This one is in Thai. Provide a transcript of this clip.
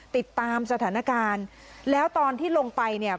ติดตามสถานการณ์แล้วตอนที่ลงไปเนี่ย